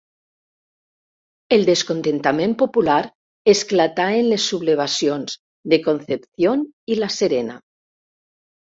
El descontentament popular esclatà en les sublevacions de Concepción i la Serena.